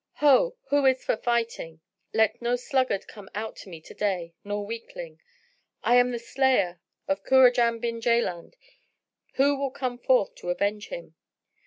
Ho! who is for fighting? Let no sluggard come out to me to day nor weakling! I am the slayer of Kurajan bin Jaland; who will come forth to avenge him?"